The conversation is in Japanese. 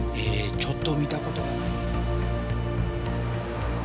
ちょっと見た事がない。